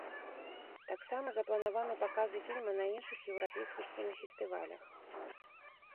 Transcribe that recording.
Таксама запланаваны паказы фільма на іншых еўрапейскіх кінафестывалях.